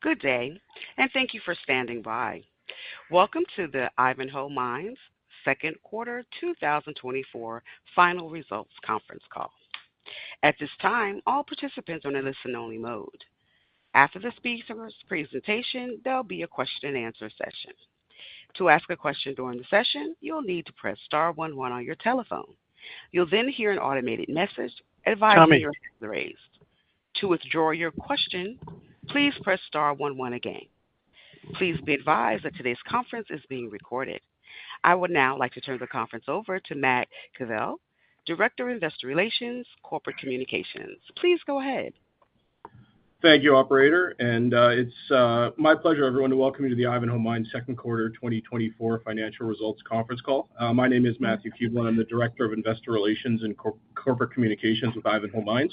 Good day, and thank you for standing by. Welcome to the Ivanhoe Mines Second Quarter 2024 Final Results Conference Call. At this time, all participants are in a listen-only mode. After the speaker's presentation, there'll be a question-and-answer session. To ask a question during the session, you'll need to press star one one on your telephone. You'll then hear an automated message advising your hands are raised. To withdraw your question, please press star one one again. Please be advised that today's conference is being recorded. I would now like to turn the conference over to Matthew Keevil, Director of Investor Relations, Corporate Communications. Please go ahead. Thank you, Operator. It's my pleasure, everyone, to welcome you to the Ivanhoe Mines Second Quarter 2024 Financial Results Conference Call. My name is Matthew Keevil. I'm the Director of Investor Relations and Corporate Communications with Ivanhoe Mines.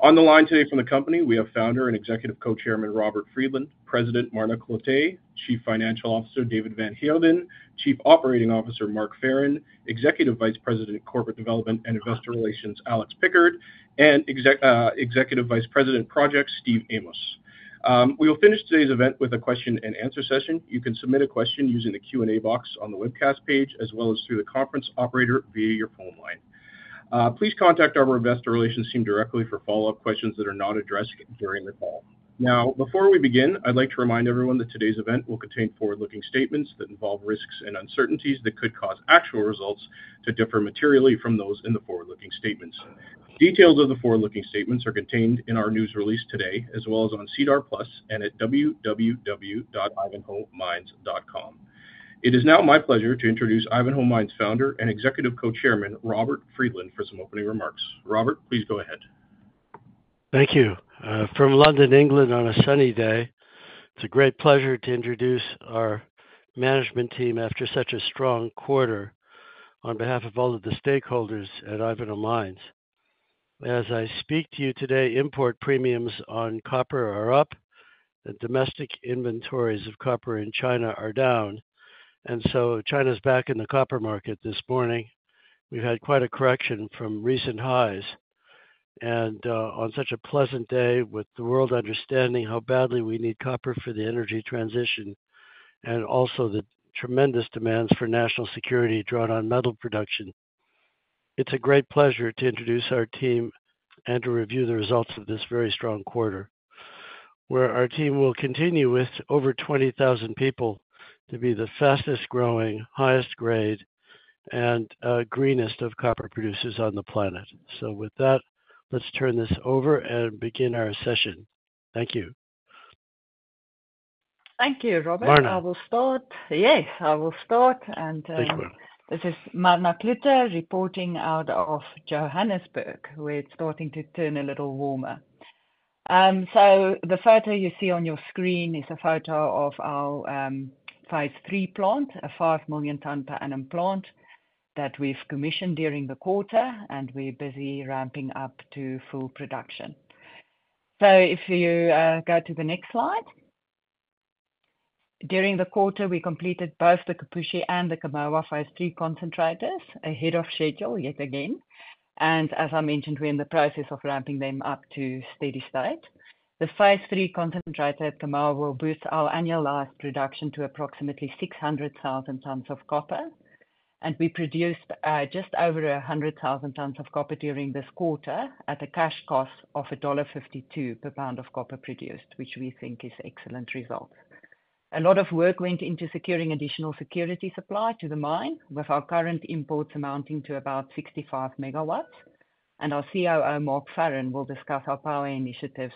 On the line today from the company, we have Founder and Executive Co-Chairman Robert Friedland, President Marna Cloete, Chief Financial Officer David van Heerden, Chief Operating Officer Mark Farren, Executive Vice President Corporate Development and Investor Relations Alex Pickard, and Executive Vice President Projects Steve Amos. We will finish today's event with a question-and-answer session. You can submit a question using the Q&A box on the webcast page, as well as through the conference operator via your phone line. Please contact our Investor Relations team directly for follow-up questions that are not addressed during the call. Now, before we begin, I'd like to remind everyone that today's event will contain forward-looking statements that involve risks and uncertainties that could cause actual results to differ materially from those in the forward-looking statements. Details of the forward-looking statements are contained in our news release today, as well as on SEDAR+ and at www.ivanhoemines.com. It is now my pleasure to introduce Ivanhoe Mines Founder and Executive Co-Chairman Robert Friedland for some opening remarks. Robert, please go ahead. Thank you. From London, England, on a sunny day, it's a great pleasure to introduce our management team after such a strong quarter on behalf of all of the stakeholders at Ivanhoe Mines. As I speak to you today, import premiums on copper are up. The domestic inventories of copper in China are down. China's back in the copper market this morning. We've had quite a correction from recent highs. On such a pleasant day, with the world understanding how badly we need copper for the energy transition and also the tremendous demands for national security drawn on metal production, it's a great pleasure to introduce our team and to review the results of this very strong quarter, where our team will continue with over 20,000 people to be the fastest-growing, highest-grade, and greenest of copper producers on the planet. With that, let's turn this over and begin our session. Thank you. Thank you, Robert. Marna. I will start. Yes, I will start. Thank you, Marna. This is Marna Cloete reporting out of Johannesburg, where it's starting to turn a little warmer. So the photo you see on your screen is a photo of our Phase III plant, a 5 million tonne per annum plant that we've commissioned during the quarter, and we're busy ramping up to full production. So if you go to the next slide. During the quarter, we completed both the Kipushi and the Kamoa Phase III concentrators ahead of schedule yet again. As I mentioned, we're in the process of ramping them up to steady state. The Phase III concentrator at Kamoa will boost our annualized production to approximately 600,000 tonnes of copper. We produced just over 100,000 tonnes of copper during this quarter at a cash cost of $1.52 per pound of copper produced, which we think is excellent results. A lot of work went into securing additional security supply to the mine, with our current imports amounting to about 65 MW. Our COO, Mark Farren, will discuss our power initiatives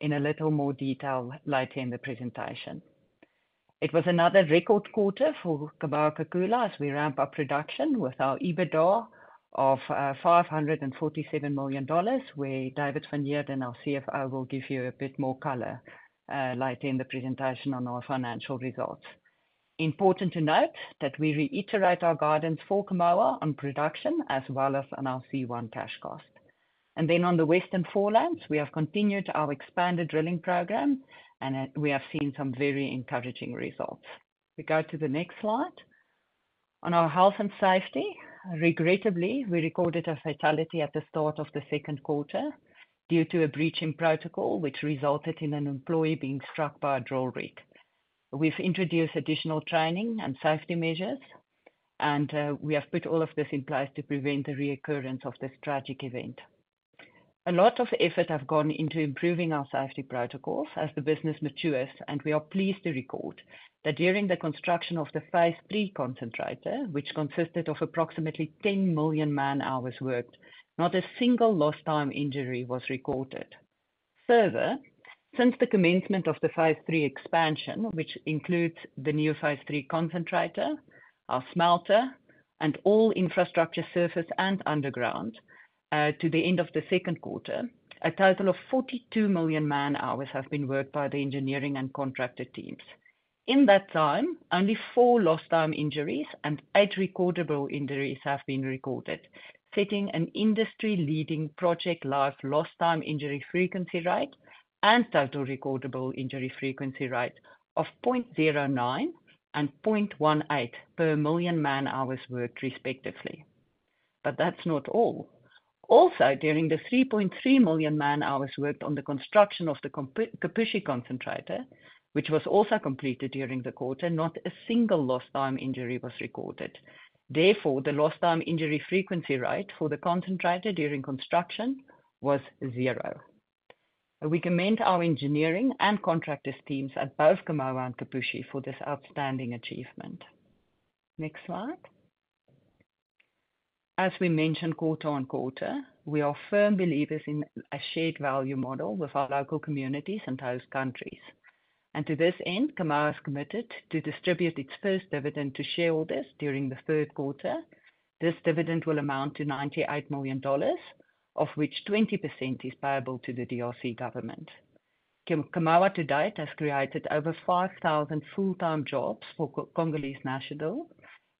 in a little more detail later in the presentation. It was another record quarter for Kamoa-Kakula as we ramp up production with our EBITDA of $547 million, where David van Heerden, our CFO, will give you a bit more color later in the presentation on our financial results. Important to note that we reiterate our guidance for Kamoa-Kakula on production as well as on our C1 cash cost. On the Western Forelands, we have continued our expanded drilling program, and we have seen some very encouraging results. We go to the next slide. On our health and safety, regrettably, we recorded a fatality at the start of the second quarter due to a breach in protocol, which resulted in an employee being struck by a drill rig. We've introduced additional training and safety measures, and we have put all of this in place to prevent the reoccurrence of this tragic event. A lot of effort has gone into improving our safety protocols as the business matures, and we are pleased to record that during the construction of the Phase III concentrator, which consisted of approximately 10 million man-hours worked, not a single lost-time injury was recorded. Further, since the commencement of the Phase III expansion, which includes the new Phase III concentrator, our smelter, and all infrastructure surface and underground, to the end of the second quarter, a total of 42 million man-hours have been worked by the engineering and contractor teams. In that time, only four lost-time injuries and eight recordable injuries have been recorded, setting an industry-leading project-life lost-time injury frequency rate and total recordable injury frequency rate of 0.09 and 0.18 per million man-hours worked, respectively. That's not all. Also, during the 3.3 million man-hours worked on the construction of the Kipushi concentrator, which was also completed during the quarter, not a single lost-time injury was recorded. Therefore, the lost-time injury frequency rate for the concentrator during construction was zero. We commend our engineering and contractors teams at both Kamoa and Kipushi for this outstanding achievement. Next slide. As we mentioned quarter-over-quarter, we are firm believers in a shared value model with our local communities and host countries. To this end, Kamoa has committed to distribute its first dividend to shareholders during the third quarter. This dividend will amount to $98 million, of which 20% is payable to the DRC government. Kamoa to date has created over 5,000 full-time jobs for Congolese nationals.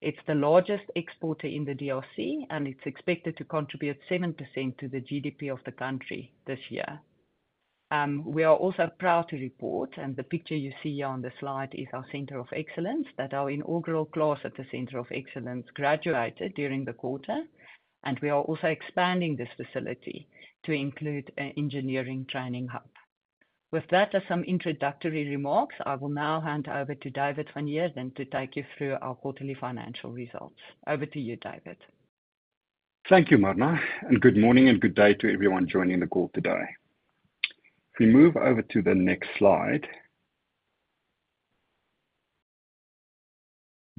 It's the largest exporter in the DRC, and it's expected to contribute 7% to the GDP of the country this year. We are also proud to report, and the picture you see here on the slide is our Center of Excellence that our inaugural class at the Center of Excellence graduated during the quarter. We are also expanding this facility to include an engineering training hub. With that, as some introductory remarks, I will now hand over to David van Heerden to take you through our quarterly financial results. Over to you, David. Thank you, Marna. Good morning and good day to everyone joining the call today. If we move over to the next slide.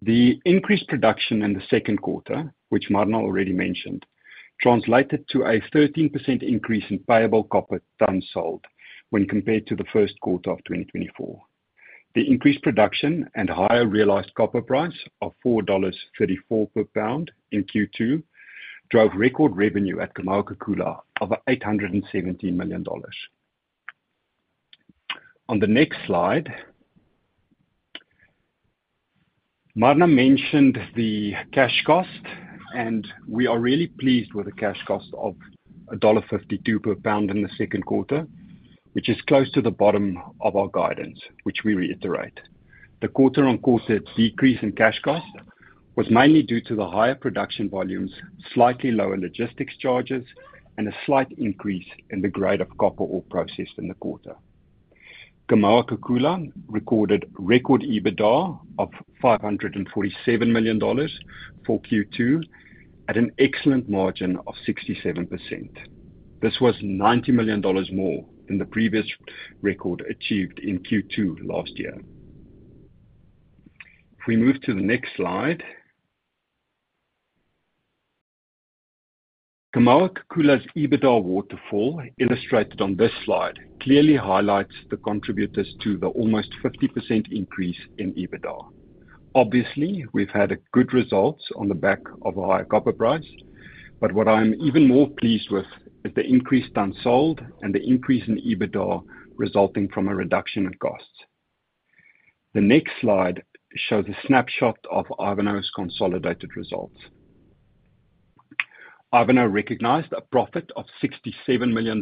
The increased production in the second quarter, which Marna already mentioned, translated to a 13% increase in payable copper tons sold when compared to the first quarter of 2024. The increased production and higher realized copper price of $4.34 per pound in Q2 drove record revenue at Kamoa-Kakula of $817 million. On the next slide, Marna mentioned the cash cost, and we are really pleased with the cash cost of $1.52 per pound in the second quarter, which is close to the bottom of our guidance, which we reiterate. The quarter-on-quarter decrease in cash cost was mainly due to the higher production volumes, slightly lower logistics charges, and a slight increase in the grade of copper all processed in the quarter. Kamoa-Kakula recorded record EBITDA of $547 million for Q2 at an excellent margin of 67%. This was $90 million more than the previous record achieved in Q2 last year. If we move to the next slide. Kamoa-Kakula's EBITDA waterfall illustrated on this slide clearly highlights the contributors to the almost 50% increase in EBITDA. Obviously, we've had good results on the back of a higher copper price, but what I'm even more pleased with is the increased tons sold and the increase in EBITDA resulting from a reduction in costs. The next slide shows a snapshot of Ivanhoe's consolidated results. Ivanhoe recognized a profit of $67 million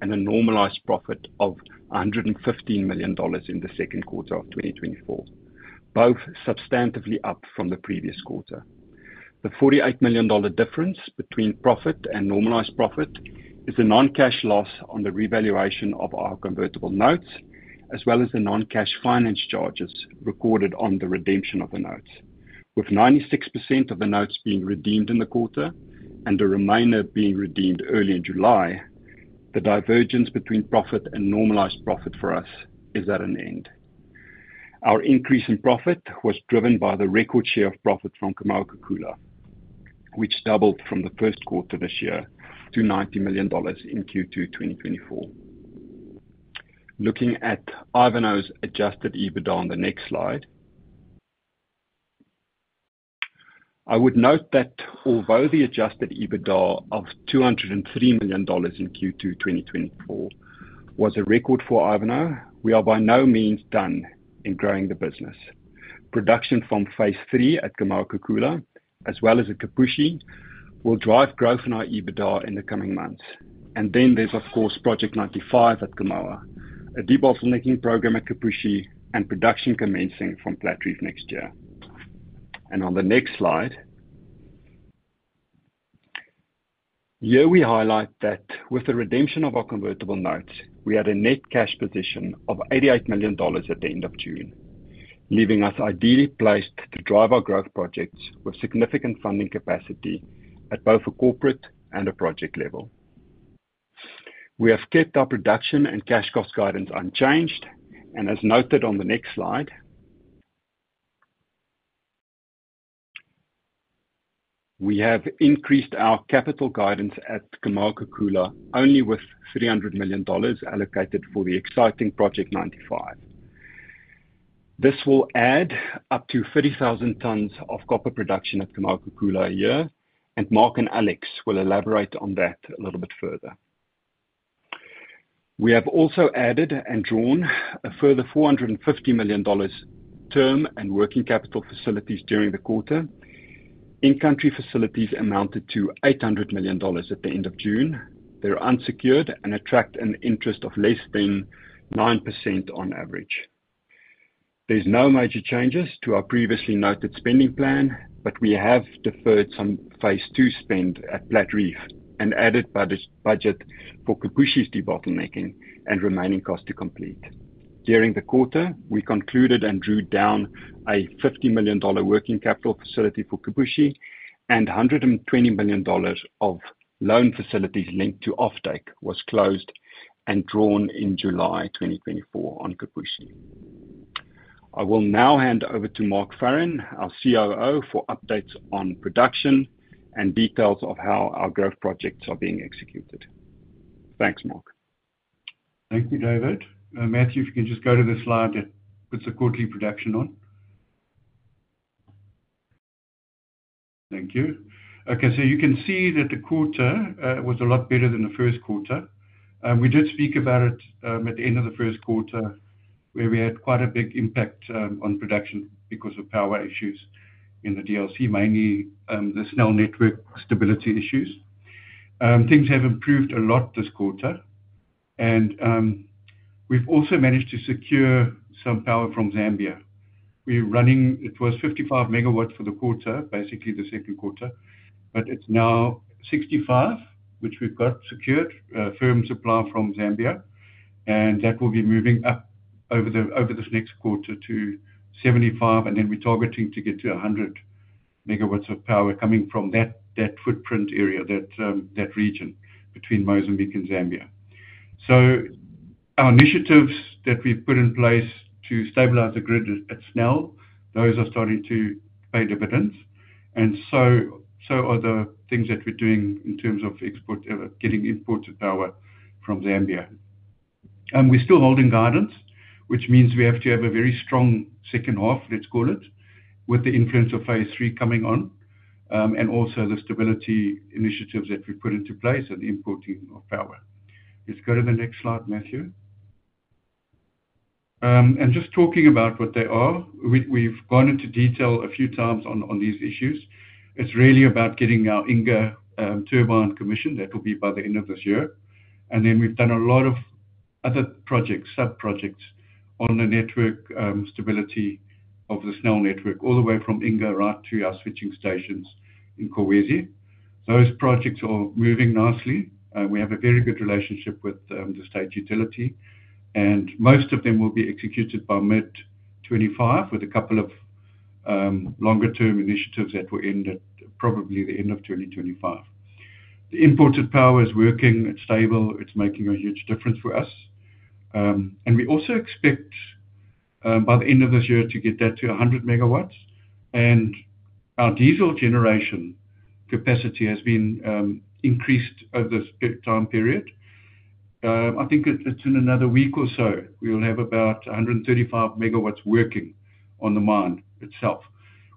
and a normalized profit of $115 million in the second quarter of 2024, both substantively up from the previous quarter. The $48 million difference between profit and normalized profit is the non-cash loss on the revaluation of our convertible notes, as well as the non-cash finance charges recorded on the redemption of the notes. With 96% of the notes being redeemed in the quarter and the remainder being redeemed early in July, the divergence between profit and normalized profit for us is at an end. Our increase in profit was driven by the record share of profit from Kamoa-Kakula, which doubled from the first quarter this year to $90 million in Q2 2024. Looking at Ivanhoe's adjusted EBITDA on the next slide, I would note that although the adjusted EBITDA of $203 million in Q2 2024 was a record for Ivanhoe, we are by no means done in growing the business. Production from Phase III at Kamoa-Kakula, as well as at Kipushi, will drive growth in our EBITDA in the coming months. Then there's, of course, Project 95 at Kamoa-Kakula, a debottlenecking program at Kipushi, and production commencing from Platreef next year. On the next slide, here we highlight that with the redemption of our convertible notes, we had a net cash position of $88 million at the end of June, leaving us ideally placed to drive our growth projects with significant funding capacity at both a corporate and a project level. We have kept our production and cash cost guidance unchanged. As noted on the next slide, we have increased our capital guidance at Kamoa-Kakula only with $300 million allocated for the exciting Project 95. This will add up to 30,000 tons of copper production at Kamoa-Kakula a year, and Mark and Alex will elaborate on that a little bit further. We have also added and drawn a further $450 million term and working capital facilities during the quarter. In-country facilities amounted to $800 million at the end of June. They're unsecured and attract an interest of less than 9% on average. There's no major changes to our previously noted spending plan, but we have deferred some Phase II spend at Platreef and added budget for Kipushi's debottlenecking and remaining cost to complete. During the quarter, we concluded and drew down a $50 million working capital facility for Kipushi, and $120 million of loan facilities linked to offtake was closed and drawn in July 2024 on Kipushi. I will now hand over to Mark Farren, our COO, for updates on production and details of how our growth projects are being executed. Thanks, Mark. Thank you, David. Matthew, if you can just go to the slide that puts the quarterly production on. Thank you. Okay, so you can see that the quarter was a lot better than the first quarter. We did speak about it at the end of the first quarter, where we had quite a big impact on production because of power issues in the DRC, mainly the SNEL network stability issues. Things have improved a lot this quarter, and we've also managed to secure some power from Zambia. We're running towards 55 MW for the quarter, basically the second quarter, but it's now 65, which we've got secured, firm supply from Zambia, and that will be moving up over this next quarter to 75, and then we're targeting to get to 100 MW of power coming from that footprint area, that region between Mozambique and Zambia. So our initiatives that we've put in place to stabilize the grid at SNEL, those are starting to pay dividends, and so are the things that we're doing in terms of getting imported power from Zambia. We're still holding guidance, which means we have to have a very strong second half, let's call it, with the influence of Phase III coming on, and also the stability initiatives that we've put into place and the importing of power. Let's go to the next slide, Matthew. Just talking about what they are, we've gone into detail a few times on these issues. It's really about getting our Inga turbine commissioned. That will be by the end of this year. Then we've done a lot of other projects, sub-projects on the network stability of the SNEL network, all the way from Inga right to our switching stations in Kolwezi. Those projects are moving nicely. We have a very good relationship with the state utility, and most of them will be executed by mid-2025 with a couple of longer-term initiatives that will end at probably the end of 2025. The imported power is working. It's stable. It's making a huge difference for us. We also expect by the end of this year to get that to 100 megawatts. Our diesel generation capacity has been increased over this time period. I think it's in another week or so, we will have about 135 megawatts working on the mine itself,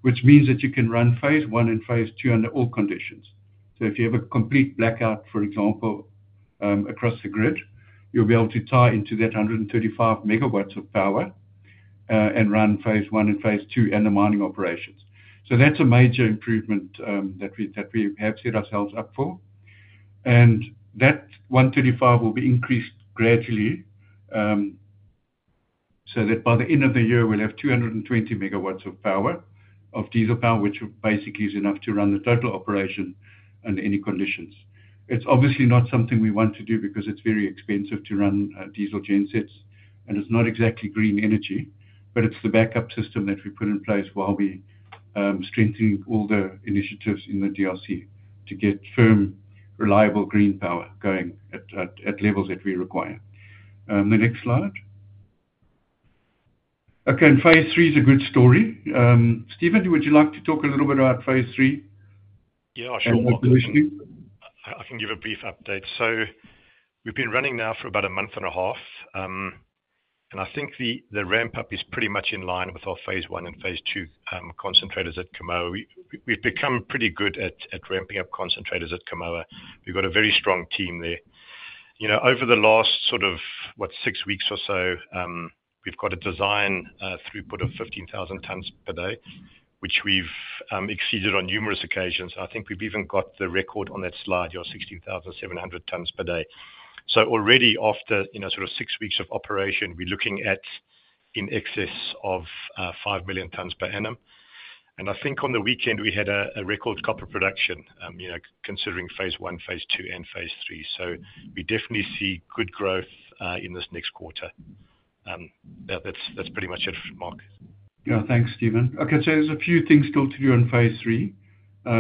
which means that you can run Phase I and Phase II under all conditions. So if you have a complete blackout, for example, across the grid, you'll be able to tie into that 135 megawatts of power and run Phase I and Phase II and the mining operations. So that's a major improvement that we have set ourselves up for. That 135 will be increased gradually so that by the end of the year, we'll have 220 MW of diesel power, which basically is enough to run the total operation under any conditions. It's obviously not something we want to do because it's very expensive to run diesel gensets, and it's not exactly green energy, but it's the backup system that we put in place while we're strengthening all the initiatives in the DRC to get firm, reliable green power going at levels that we require. The next slide. Okay, Phase III is a good story. Steve, would you like to talk a little bit about Phase III? Yeah, sure. I can give a brief update. So we've been running now for about a month and a half, and I think the ramp-up is pretty much in line with our Phase I and Phase II concentrators at Kamoa. We've become pretty good at ramping up concentrators at Kamoa. We've got a very strong team there. Over the last sort of, what, six weeks or so, we've got a design throughput of 15,000 tons per day, which we've exceeded on numerous occasions. I think we've even got the record on that slide, 16,700 tons per day. So already after sort of six weeks of operation, we're looking at in excess of 5 million tons per annum. And I think on the weekend, we had a record copper production, considering Phase I, Phase II, and Phase III. So we definitely see good growth in this next quarter. That's pretty much it, Mark. Yeah, thanks, Steven. Okay, so there's a few things still to do in Phase III,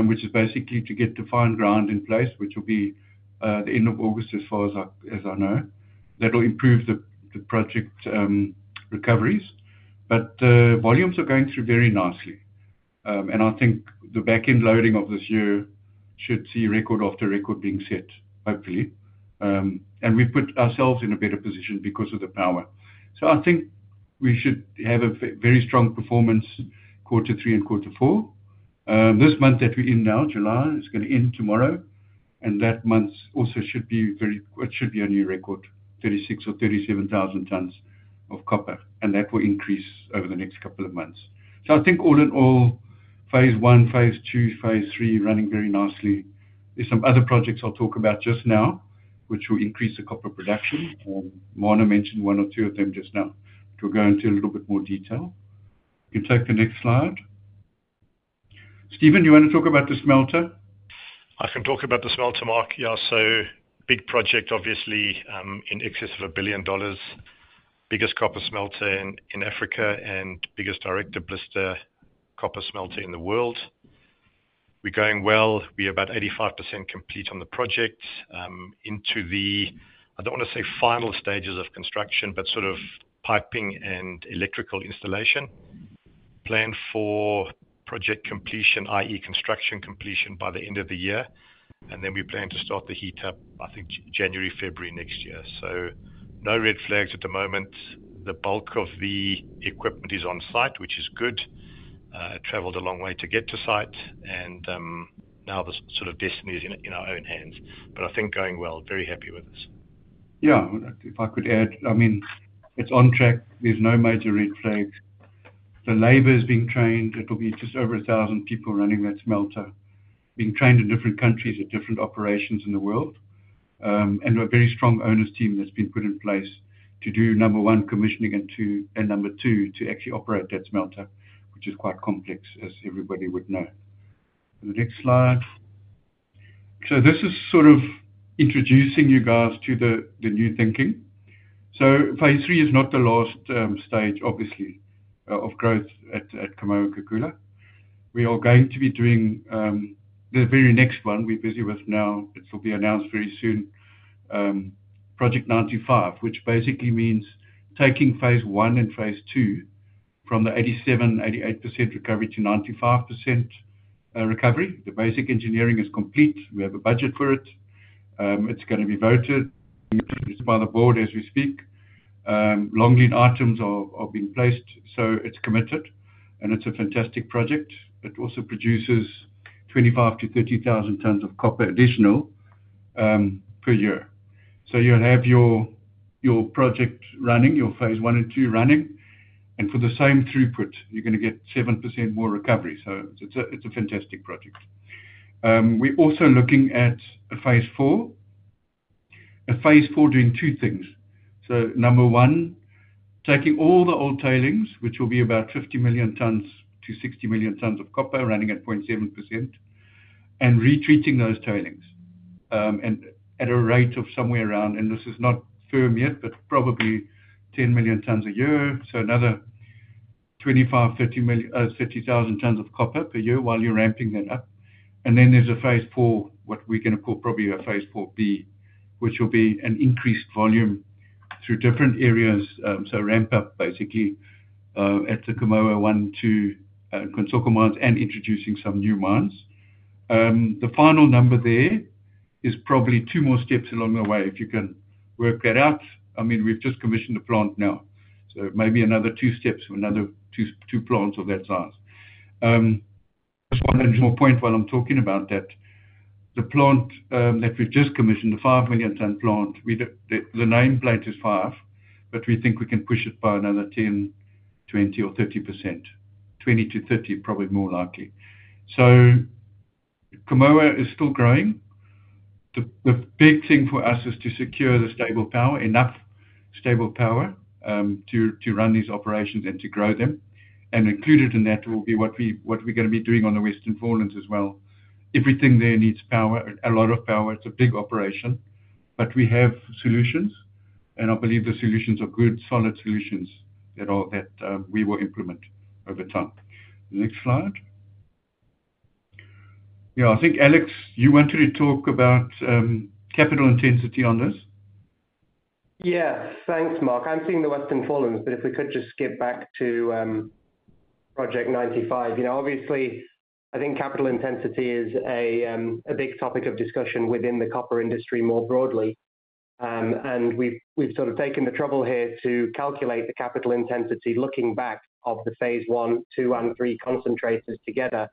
which is basically to get the fine ground in place, which will be the end of August as far as I know. That will improve the project recoveries, but the volumes are going through very nicely. And I think the back-end loading of this year should see record after record being set, hopefully. And we put ourselves in a better position because of the power. So I think we should have a very strong performance quarter three and quarter four. This month that we're in now, July, is going to end tomorrow. And that month also should be a new record, 36,000 or 37,000 tons of copper. And that will increase over the next couple of months. So I think all in all, Phase I, Phase II, Phase III running very nicely. There's some other projects I'll talk about just now, which will increase the copper production. Marna mentioned one or two of them just now, which we'll go into a little bit more detail. You can take the next slide. Steve, do you want to talk about the smelter? I can talk about the smelter, Mark. Yeah, so big project, obviously, in excess of $1 billion, biggest copper smelter in Africa and biggest direct blister copper smelter in the world. We're going well. We're about 85% complete on the project into the, I don't want to say final stages of construction, but sort of piping and electrical installation. Plan for project completion, i.e., construction completion by the end of the year. And then we plan to start the heat up, I think, January, February next year. So no red flags at the moment. The bulk of the equipment is on site, which is good. It traveled a long way to get to site. And now the sort of destiny is in our own hands. But I think going well, very happy with us. Yeah, if I could add, I mean, it's on track. There's no major red flags. The labor is being trained. It'll be just over 1,000 people running that smelter, being trained in different countries at different operations in the world. And a very strong owners team that's been put in place to do number one, commissioning, and number two, to actually operate that smelter, which is quite complex, as everybody would know. The next slide. So this is sort of introducing you guys to the new thinking. So Phase III is not the last stage, obviously, of growth at Kamoa-Kakula. We are going to be doing the very next one we're busy with now. It'll be announced very soon, Project 95, which basically means taking Phase I and Phase II from the 87%-88% recovery to 95% recovery. The basic engineering is complete. We have a budget for it. It's going to be voted. It's by the board as we speak. Long lead items are being placed. So it's committed, and it's a fantastic project. It also produces 25,000-30,000 tons of copper additional per year. So you'll have your project running, your Phase I and Phase II running. And for the same throughput, you're going to get 7% more recovery. So it's a fantastic project. We're also looking at Phase IV. Phase IV doing two things. So number 1, taking all the old tailings, which will be about 50 million-60 million tons of copper running at 0.7%, and retreating those tailings at a rate of somewhere around, and this is not firm yet, but probably 10 million tons a year. So another 25,000-30,000 tons of copper per year while you're ramping that up. Then there's a Phase IV, what we're going to call probably a Phase IV-B, which will be an increased volume through different areas. So ramp-up basically at the Kamoa 1, 2, and Kansoko mines and introducing some new mines. The final number there is probably two more steps along the way if you can work that out. I mean, we've just commissioned a plant now. So maybe another two steps or another two plants of that size. Just one additional point while I'm talking about that. The plant that we've just commissioned, the 5 million tonne plant, the nameplate is five, but we think we can push it by another 10%, 20%, or 30%, 20%-30%, probably more likely. So Kamoa is still growing. The big thing for us is to secure the stable power, enough stable power to run these operations and to grow them. Included in that will be what we're going to be doing on the Western Forelands as well. Everything there needs power, a lot of power. It's a big operation, but we have solutions. And I believe the solutions are good, solid solutions that we will implement over time. Next slide. Yeah, I think Alex, you wanted to talk about capital intensity on this. Yes, thanks, Mark. I'm seeing the Western Foreland, but if we could just skip back to Project 95. Obviously, I think capital intensity is a big topic of discussion within the copper industry more broadly. And we've sort of taken the trouble here to calculate the capital intensity looking back of the Phase I, Phase II, and Phase III concentrators together,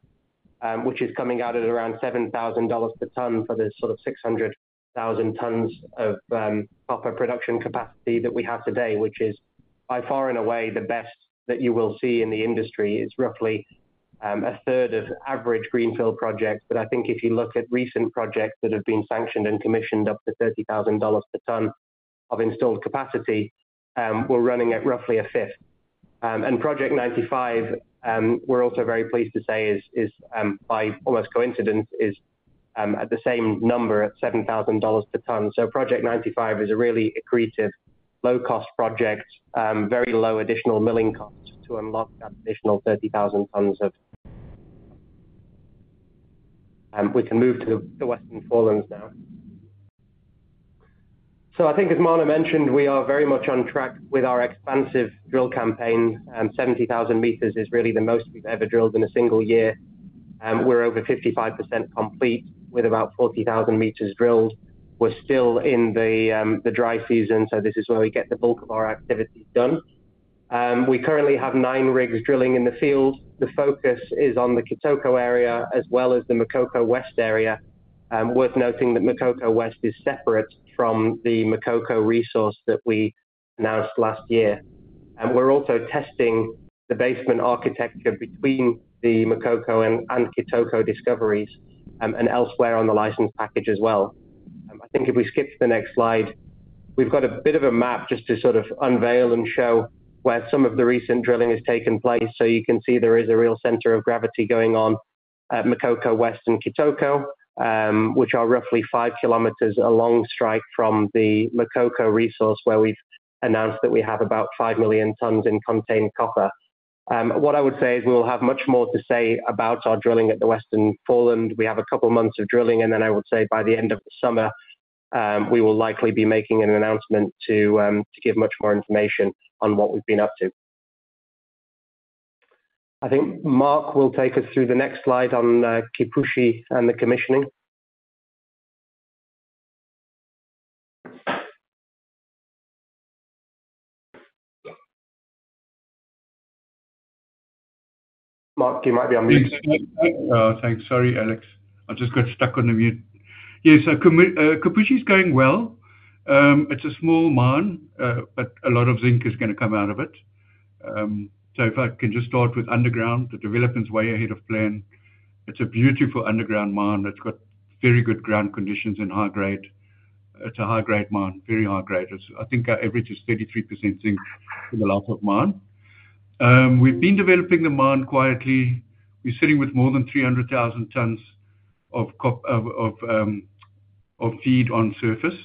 which is coming out at around $7,000 per ton for the sort of 600,000 tons of copper production capacity that we have today, which is by far and away the best that you will see in the industry. It's roughly a third of average greenfield projects. But I think if you look at recent projects that have been sanctioned and commissioned up to $30,000 per ton of installed capacity, we're running at roughly a fifth. Project 95, we're also very pleased to say is by almost coincidence at the same number at $7,000 per ton. So Project 95 is a really accretive, low-cost project, very low additional milling cost to unlock that additional 30,000 tons of. We can move to the Western Foreland now. So I think, as Marna mentioned, we are very much on track with our expansive drill campaign. 70,000 meters is really the most we've ever drilled in a single year. We're over 55% complete with about 40,000 meters drilled. We're still in the dry season, so this is where we get the bulk of our activity done. We currently have nine rigs drilling in the field. The focus is on the Kitoko area as well as the Makoko West area. Worth noting that Makoko West is separate from the Makoko resource that we announced last year. We're also testing the basement architecture between the Makoko and Kitoko discoveries and elsewhere on the license package as well. I think if we skip to the next slide, we've got a bit of a map just to sort of unveil and show where some of the recent drilling has taken place. So you can see there is a real center of gravity going on at Makoko West and Kitoko, which are roughly 5 kilometers along strike from the Makoko resource where we've announced that we have about 5 million tons in contained copper. What I would say is we will have much more to say about our drilling at the Western Foreland. We have a couple of months of drilling, and then I would say by the end of the summer, we will likely be making an announcement to give much more information on what we've been up to. I think Mark will take us through the next slide on Kipushi and the commissioning. Mark, you might be on mute. Thanks. Sorry, Alex. I just got stuck on the mute. Yes, Kipushi is going well. It's a small mine, but a lot of zinc is going to come out of it. So if I can just start with underground, the development's way ahead of plan. It's a beautiful underground mine. It's got very good ground conditions and high grade. It's a high-grade mine, very high grade. I think our average is 33% zinc in the life of mine. We've been developing the mine quietly. We're sitting with more than 300,000 tons of feed on surface.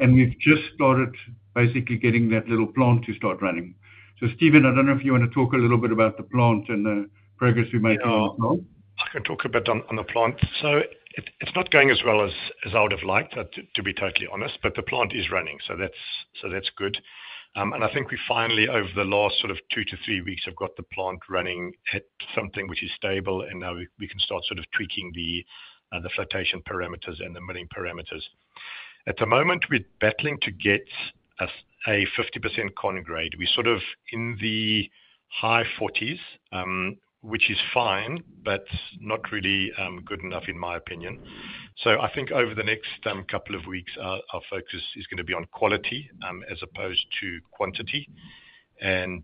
We've just started basically getting that little plant to start running. So Steve, I don't know if you want to talk a little bit about the plant and the progress we're making on the plant. I can talk a bit on the plant. So it's not going as well as I would have liked, to be totally honest, but the plant is running, so that's good. And I think we finally, over the last sort of two to three weeks, have got the plant running at something which is stable, and now we can start sort of tweaking the flotation parameters and the milling parameters. At the moment, we're battling to get a 50% con grade. We're sort of in the high 40s, which is fine, but not really good enough, in my opinion. So I think over the next couple of weeks, our focus is going to be on quality as opposed to quantity. And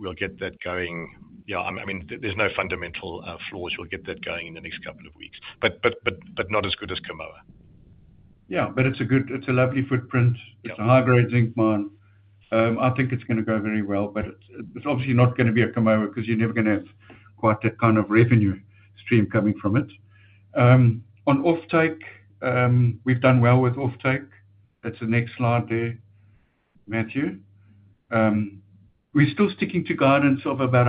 we'll get that going. Yeah, I mean, there's no fundamental flaws. We'll get that going in the next couple of weeks, but not as good as Kamoa. Yeah, but it's a lovely footprint. It's a high-grade zinc mine. I think it's going to go very well, but it's obviously not going to be a Kamoa because you're never going to have quite that kind of revenue stream coming from it. On offtake, we've done well with offtake. That's the next slide there, Matthew. We're still sticking to guidance of about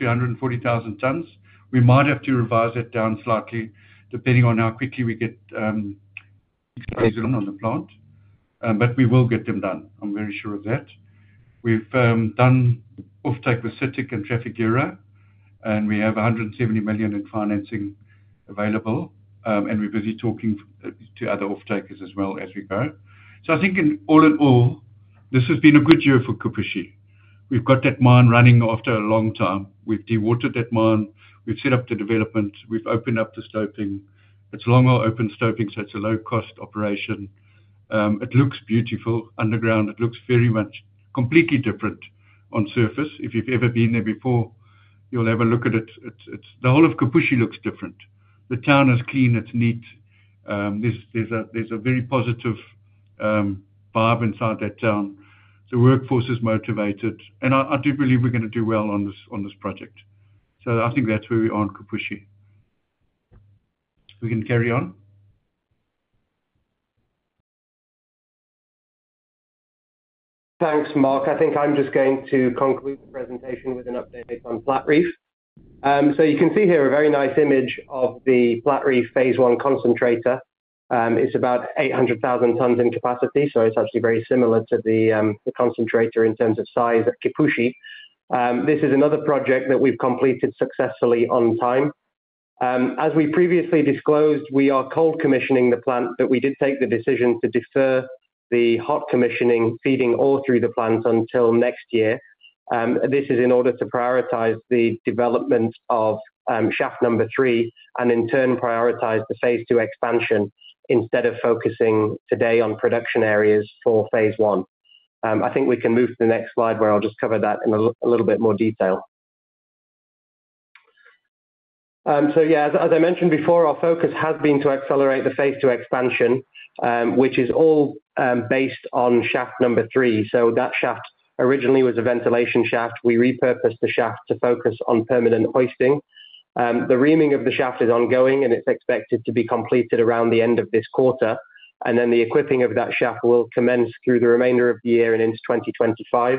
100,000-140,000 tons. We might have to revise it down slightly depending on how quickly we get on the plant. But we will get them done. I'm very sure of that. We've done offtake with CITIC and Trafigura, and we have $170 million in financing available. And we're busy talking to other offtakers as well as we go. So I think all in all, this has been a good year for Kipushi. We've got that mine running after a long time. We've dewatered that mine. We've set up the development. We've opened up the stoping. It's a long-hole open stoping, so it's a low-cost operation. It looks beautiful underground. It looks very much completely different on surface. If you've ever been there before, you'll have a look at it. The whole of Kipushi looks different. The town is clean. It's neat. There's a very positive vibe inside that town. The workforce is motivated. And I do believe we're going to do well on this project. So I think that's where we are in Kipushi. We can carry on. Thanks, Mark. I think I'm just going to conclude the presentation with an update on Platreef. So you can see here a very nice image of the Platreef Phase I concentrator. It's about 800,000 tons in capacity. So it's actually very similar to the concentrator in terms of size at Kipushi. This is another project that we've completed successfully on time. As we previously disclosed, we are cold commissioning the plant, but we did take the decision to defer the hot commissioning, feeding all through the plant until next year. This is in order to prioritize the development of Shaft 3 and in turn prioritize the Phase II expansion instead of focusing today on production areas for Phase I. I think we can move to the next slide where I'll just cover that in a little bit more detail. So yeah, as I mentioned before, our focus has been to accelerate the Phase II expansion, which is all based on Shaft 3. So that shaft originally was a ventilation shaft. We repurposed the shaft to focus on permanent hoisting. The reaming of the shaft is ongoing, and it's expected to be completed around the end of this quarter. And then the equipping of that shaft will commence through the remainder of the year and into 2025.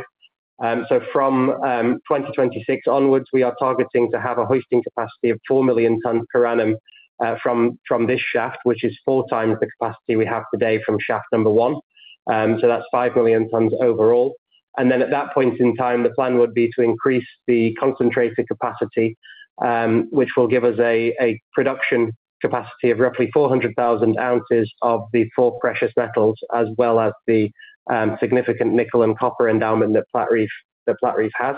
So from 2026 onwards, we are targeting to have a hoisting capacity of 4 million tons per annum from this shaft, which is four times the capacity we have today from shaft number one. So that's 5 million tons overall. And then at that point in time, the plan would be to increase the concentrator capacity, which will give us a production capacity of roughly 400,000 ounces of the four precious metals, as well as the significant nickel and copper endowment that Platreef has.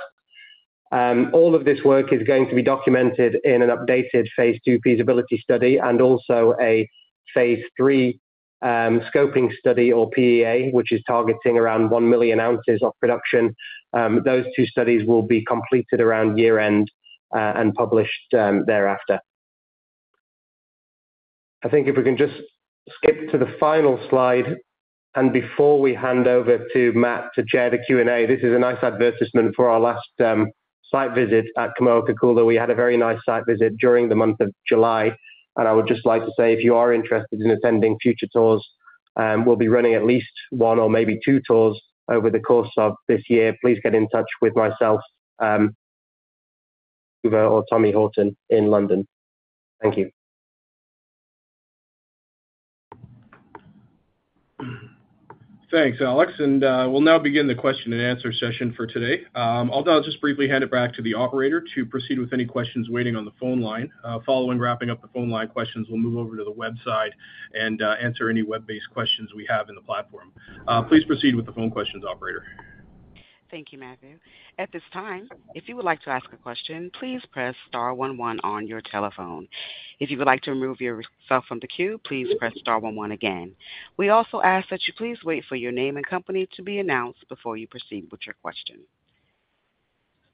All of this work is going to be documented in an updated Phase II feasibility study and also a Phase III scoping study or PEA, which is targeting around 1,000,000 ounces of production. Those two studies will be completed around year-end and published thereafter. I think if we can just skip to the final slide and before we hand over to Matt to chair the Q&A, this is a nice advertisement for our last site visit at Kamoa-Kakula. We had a very nice site visit during the month of July. I would just like to say, if you are interested in attending future tours, we'll be running at least one or maybe two tours over the course of this year. Please get in touch with myself, or Tommy Horton in London. Thank you. Thanks, Alex. We'll now begin the question and answer session for today. I'll just briefly hand it back to the operator to proceed with any questions waiting on the phone line. Following wrapping up the phone line questions, we'll move over to the website and answer any web-based questions we have in the platform. Please proceed with the phone questions, operator. Thank you, Matthew. At this time, if you would like to ask a question, please press star one one on your telephone. If you would like to remove yourself from the queue, please press star one one again. We also ask that you please wait for your name and company to be announced before you proceed with your question.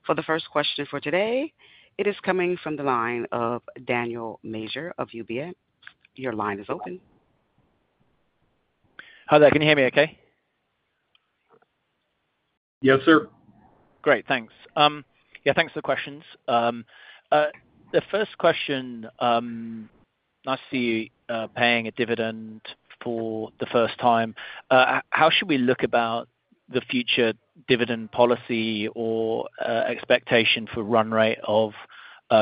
For the first question for today, it is coming from the line of Daniel Major of UBS. Your line is open. Hello, can you hear me okay? Yes, sir. Great, thanks. Yeah, thanks for the questions. The first question, I see paying a dividend for the first time. How should we look about the future dividend policy or expectation for run rate of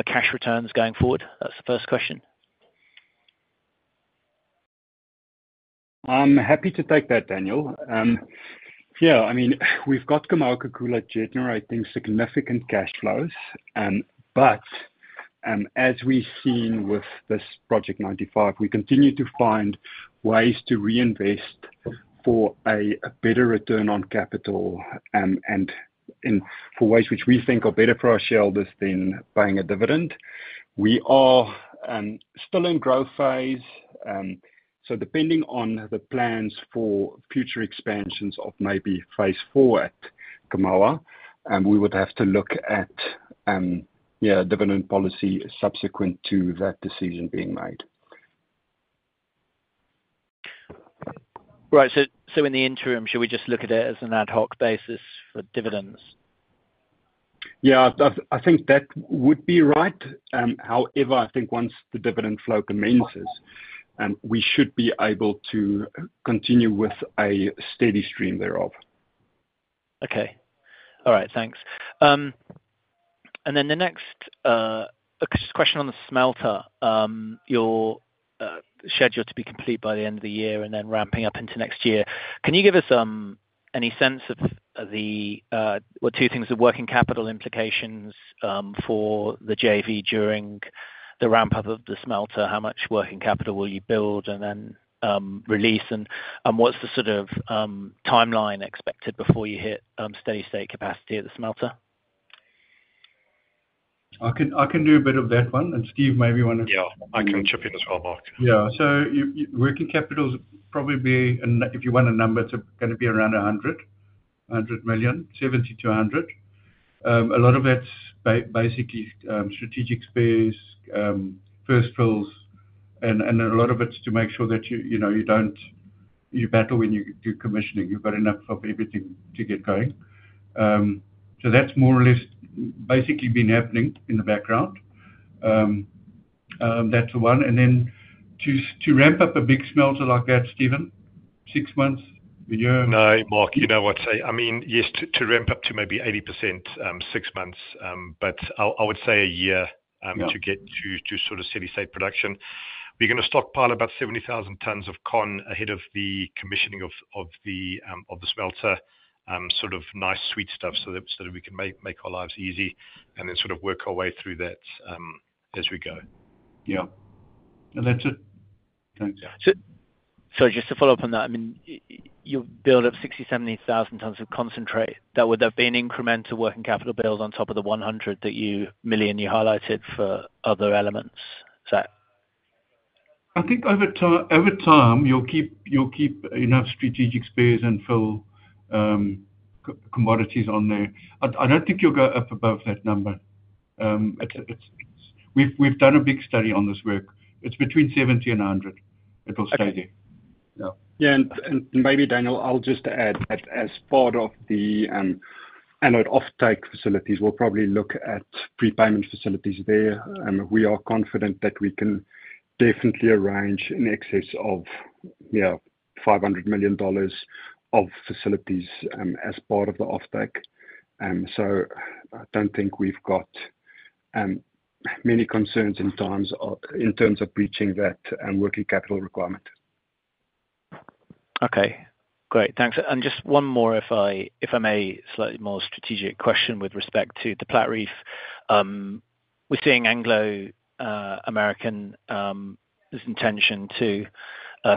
cash returns going forward? That's the first question. I'm happy to take that, Daniel. Yeah, I mean, we've got Kamoa-Kakula generating significant cash flows. But as we've seen with this Project 95, we continue to find ways to reinvest for a better return on capital and for ways which we think are better for our shareholders than paying a dividend. We are still in growth phase. So depending on the plans for future expansions of maybe Phase IV at Kamoa-Kakula, we would have to look at dividend policy subsequent to that decision being made. Right. So in the interim, should we just look at it as an ad hoc basis for dividends? Yeah, I think that would be right. However, I think once the dividend flow commences, we should be able to continue with a steady stream thereof. Okay. All right, thanks. And then the next question on the smelter, your schedule to be complete by the end of the year and then ramping up into next year. Can you give us any sense of the two things of working capital implications for the JV during the ramp-up of the smelter? How much working capital will you build and then release? And what's the sort of timeline expected before you hit steady state capacity at the smelter? I can do a bit of that one. Steve, maybe you want to? Yeah, I can chip in as well, Mark. Yeah. So working capital is probably, if you want a number, it's going to be around $100 million, $70 million-$100 million. A lot of it's basically strategic spares, first fills, and a lot of it's to make sure that you have all when you do commissioning. You've got enough of everything to get going. So that's more or less basically been happening in the background. That's one. And then to ramp up a big smelter like that, Steve, six months? No, Mark, you know what I'd say. I mean, yes, to ramp up to maybe 80%, six months, but I would say a year to get to sort of steady state production. We're going to stockpile about 70,000 tons of con ahead of the commissioning of the smelter, sort of nice sweet stuff so that we can make our lives easy and then sort of work our way through that as we go. Yeah. And that's it. Thanks. So just to follow up on that, I mean, you've built up 60,000, 70,000 tons of concentrate. That would have been incremental working capital build on top of the $100 million you highlighted for other elements. Is that? I think over time, you'll keep enough strategic space and fill commodities on there. I don't think you'll go up above that number. We've done a big study on this work. It's between 70 and 100. It'll stay there. Yeah. Maybe, Daniel, I'll just add that as part of the offtake facilities, we'll probably look at prepayment facilities there. We are confident that we can definitely arrange in excess of $500 million of facilities as part of the offtake. I don't think we've got many concerns in terms of reaching that working capital requirement. Okay. Great. Thanks. And just one more, if I may, slightly more strategic question with respect to the Platreef. We're seeing Anglo American's intention to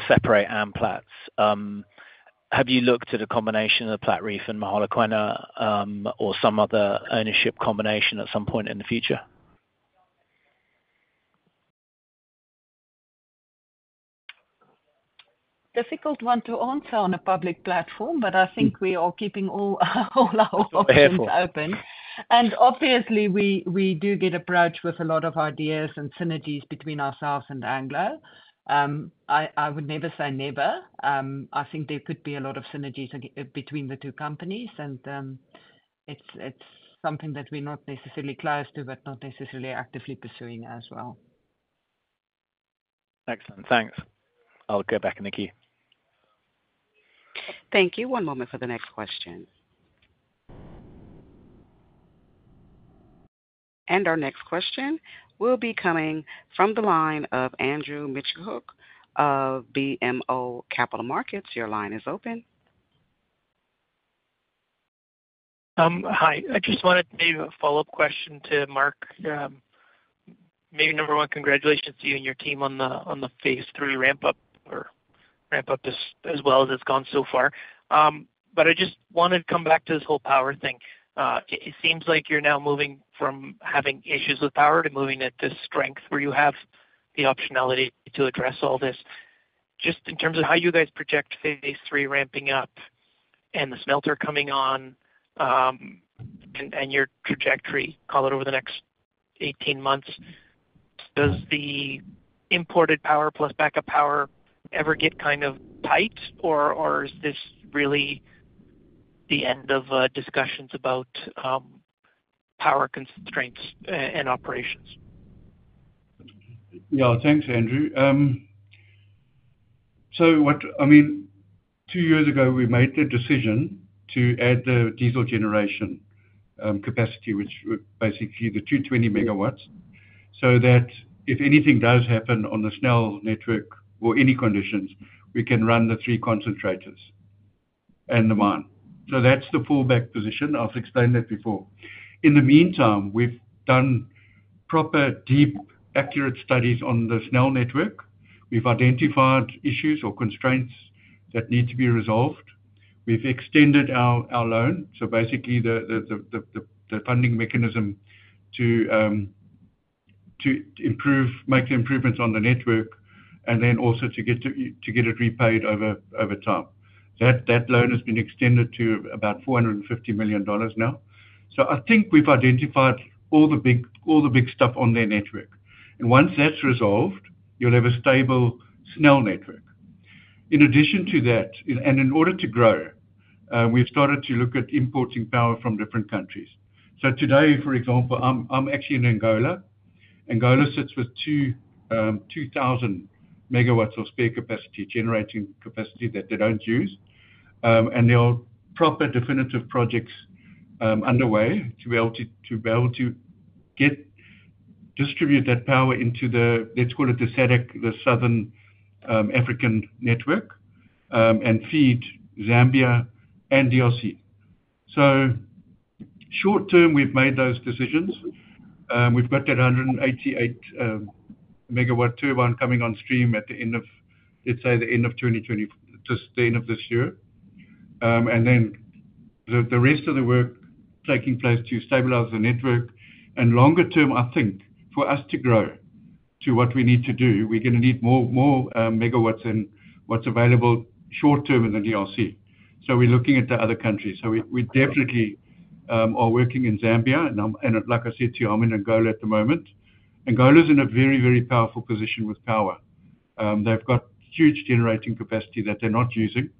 separate Amplats. Have you looked at a combination of Platreef and Mogalakwena or some other ownership combination at some point in the future? Difficult one to answer on a public platform, but I think we are keeping all our options open. Obviously, we do get approached with a lot of ideas and synergies between ourselves and Anglo. I would never say never. I think there could be a lot of synergies between the two companies, and it's something that we're not necessarily close to, but not necessarily actively pursuing as well. Excellent. Thanks. I'll go back, Nikki. Thank you. One moment for the next question. And our next question will be coming from the line of Andrew Mikitchook of BMO Capital Markets. Your line is open. Hi. I just wanted to leave a follow-up question to Mark. Maybe number one, congratulations to you and your team on the Phase III ramp-up or ramp-up as well as it's gone so far. But I just wanted to come back to this whole power thing. It seems like you're now moving from having issues with power to moving at this strength where you have the optionality to address all this. Just in terms of how you guys project Phase III ramping up and the smelter coming on and your trajectory, call it over the next 18 months, does the imported power plus backup power ever get kind of tight, or is this really the end of discussions about power constraints and operations? Yeah, thanks, Andrew. So I mean, two years ago, we made the decision to add the diesel generation capacity, which would basically be the 220 MW, so that if anything does happen on the SNEL network or any conditions, we can run the three concentrators and the mine. So that's the fallback position. I've explained that before. In the meantime, we've done proper, deep, accurate studies on the SNEL network. We've identified issues or constraints that need to be resolved. We've extended our loan, so basically the funding mechanism to make the improvements on the network and then also to get it repaid over time. That loan has been extended to about $450 million now. So I think we've identified all the big stuff on their network. And once that's resolved, you'll have a stable SNEL network. In addition to that, and in order to grow, we've started to look at importing power from different countries. So today, for example, I'm actually in Angola. Angola sits with 2,000 MW of spare capacity, generating capacity that they don't use. And there are proper definitive projects underway to be able to distribute that power into the, let's call it the Southern African network and feed Zambia and the DRC. So short term, we've made those decisions. We've got that 188-MW turbine coming on stream at the end of, let's say, the end of 2020, just the end of this year. And then the rest of the work taking place to stabilize the network. And longer term, I think for us to grow to what we need to do, we're going to need more MW than what's available short term in the DRC. So we're looking at the other countries. So we definitely are working in Zambia. And like I said to you, I'm in Angola at the moment. Angola is in a very, very powerful position with power. They've got huge generating capacity that they're not using.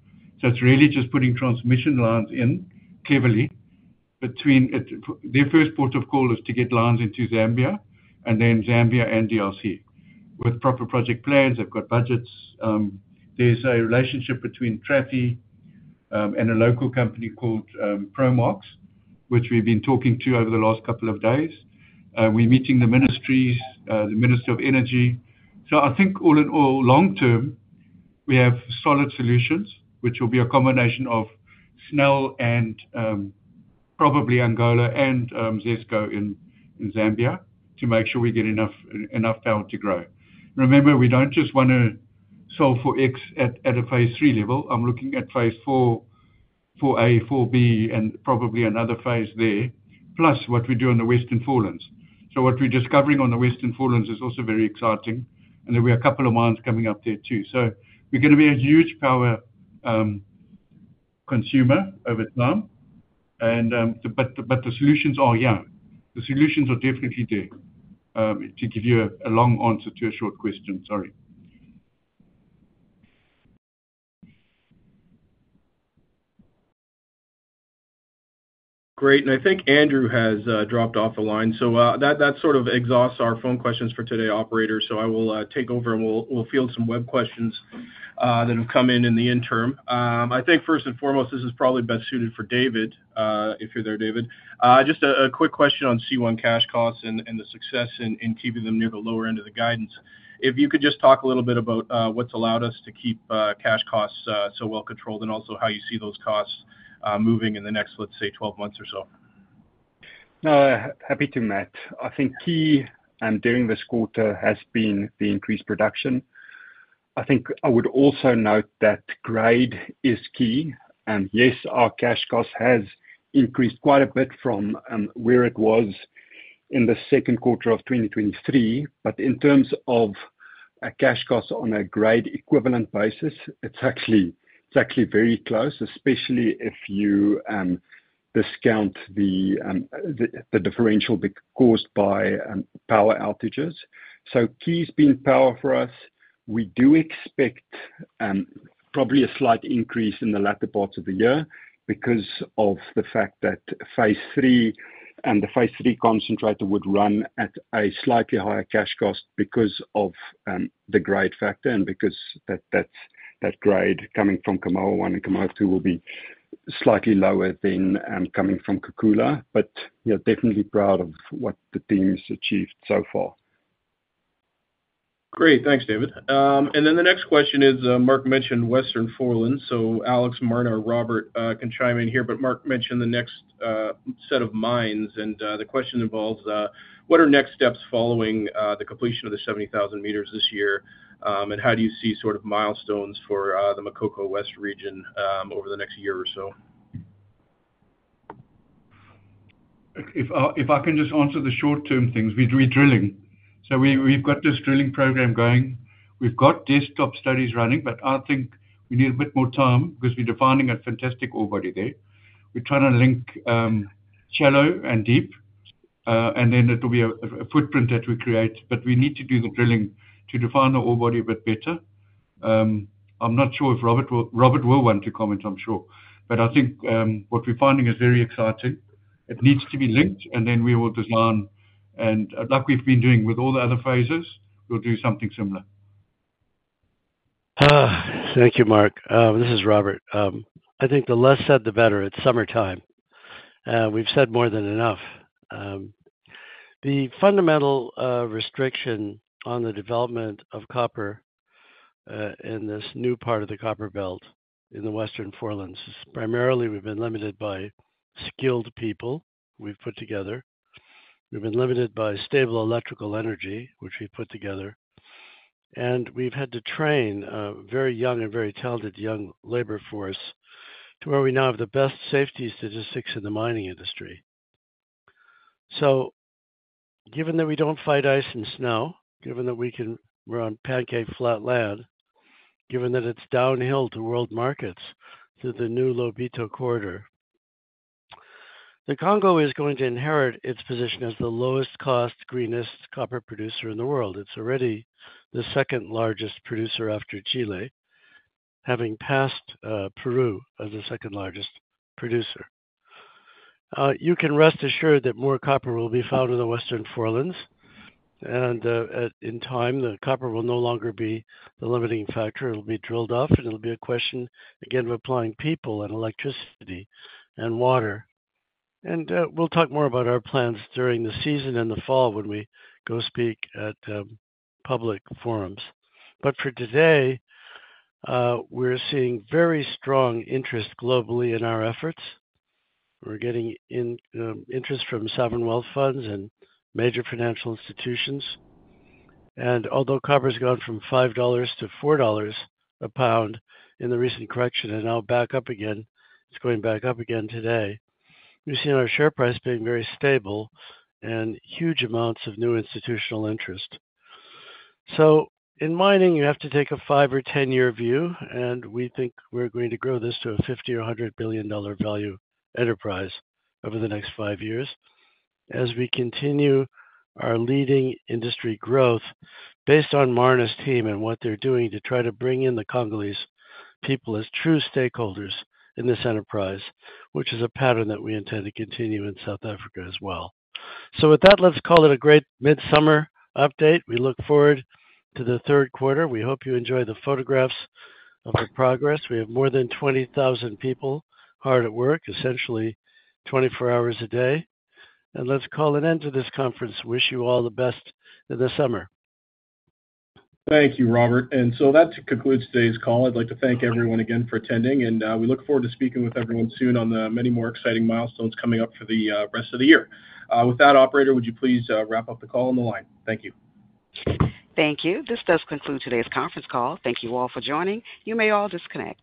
So it's really just putting transmission lines in cleverly. Their first port of call is to get lines into Zambia and then Zambia and DRC with proper project plans. They've got budgets. There's a relationship between Trafi and a local company called ProMarks, which we've been talking to over the last couple of days. We're meeting the ministries, the Ministry of Energy. So I think all in all, long term, we have solid solutions, which will be a combination of SNEL and probably Angola and ZESCO in Zambia to make sure we get enough power to grow. Remember, we don't just want to solve for X at a Phase III level. I'm looking at Phase IV, Phase IV-A, Phase IV-B, and probably another phase there, plus what we do in the Western Forelands. So what we're discovering on the Western Forelands is also very exciting. And there will be a couple of mines coming up there too. So we're going to be a huge power consumer over time. But the solutions are young. The solutions are definitely there. To give you a long answer to a short question, sorry. Great. And I think Andrew has dropped off the line. So that sort of exhausts our phone questions for today, operator. So I will take over and we'll field some web questions that have come in in the interim. I think first and foremost, this is probably best suited for David, if you're there, David. Just a quick question on C1 cash costs and the success in keeping them near the lower end of the guidance. If you could just talk a little bit about what's allowed us to keep cash costs so well controlled and also how you see those costs moving in the next, let's say, 12 months or so. No, happy to match. I think key, and during this quarter, has been the increased production. I think I would also note that grade is key. Yes, our cash cost has increased quite a bit from where it was in the second quarter of 2023. But in terms of a cash cost on a grade equivalent basis, it's actually very close, especially if you discount the differential caused by power outages. So key's been power for us. We do expect probably a slight increase in the latter part of the year because of the fact that Phase III and the Phase III concentrator would run at a slightly higher cash cost because of the grade factor and because that grade coming from Kamoa One and Kamoa Two will be slightly lower than coming from Kakula. But yeah, definitely proud of what the team has achieved so far. Great. Thanks, David. And then the next question is, Mark mentioned Western Foreland. So Alex, Marna, Robert can chime in here. But Mark mentioned the next set of mines. And the question involves, what are next steps following the completion of the 70,000 meters this year? And how do you see sort of milestones for the Makoko West region over the next year or so? If I can just answer the short-term things, we're drilling. So we've got this drilling program going. We've got desktop studies running, but I think we need a bit more time because we're defining a fantastic ore body there. We're trying to link shallow and deep. And then it'll be a footprint that we create. But we need to do the drilling to define the ore body a bit better. I'm not sure if Robert will want to comment, I'm sure. But I think what we're finding is very exciting. It needs to be linked, and then we will design. And like we've been doing with all the other phases, we'll do something similar. Thank you, Mark. This is Robert. I think the less said, the better. It's summertime. We've said more than enough. The fundamental restriction on the development of copper in this new part of the copper belt in the Western Foreland is primarily we've been limited by skilled people we've put together. We've been limited by stable electrical energy, which we've put together. And we've had to train a very young and very talented young labor force to where we now have the best safety statistics in the mining industry. So given that we don't fight ice and snow, given that we can run pancake-flat land, given that it's downhill to world markets through the new Lobito Corridor, the Congo is going to inherit its position as the lowest-cost, greenest copper producer in the world. It's already the second largest producer after Chile, having passed Peru as the second largest producer. You can rest assured that more copper will be found in the Western Forelands. In time, the copper will no longer be the limiting factor. It'll be drilled up, and it'll be a question, again, of applying people and electricity and water. We'll talk more about our plans during the season and the fall when we go speak at public forums. But for today, we're seeing very strong interest globally in our efforts. We're getting interest from sovereign wealth funds and major financial institutions. Although copper has gone from $5-$4 a pound in the recent correction and now back up again, it's going back up again today, we've seen our share price being very stable and huge amounts of new institutional interest. So in mining, you have to take a 5- or 10-year view, and we think we're going to grow this to a $50 billion or $100 billion value enterprise over the next five years as we continue our leading industry growth based on Marna's team and what they're doing to try to bring in the Congolese people as true stakeholders in this enterprise, which is a pattern that we intend to continue in South Africa as well. So with that, let's call it a great mid-summer update. We look forward to the third quarter. We hope you enjoy the photographs of our progress. We have more than 20,000 people hard at work, essentially 24 hours a day. And let's call an end to this conference. Wish you all the best in the summer. Thank you, Robert. And so that concludes today's call. I'd like to thank everyone again for attending, and we look forward to speaking with everyone soon on the many more exciting milestones coming up for the rest of the year. With that, operator, would you please wrap up the call on the line? Thank you. Thank you. This does conclude today's conference call. Thank you all for joining. You may all disconnect.